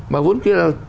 mà vốn kia là